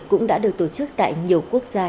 cũng đã được tổ chức tại nhiều quốc gia